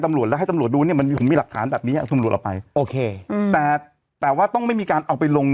ตำรวจแล้วให้ตำรวจดูเนี้ยมันมีผมมีหลักฐานแบบเนี้ยตำรวจเอาไปโอเคอืมแต่แต่ว่าต้องไม่มีการเอาไปลง